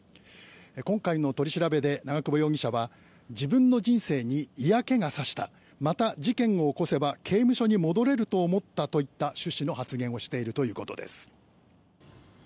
今回の取り調べで長久保容疑者は自分の人生に嫌気が差したまた事件を起こせば刑務所に戻れると思ったといった趣旨の発言をしているということです。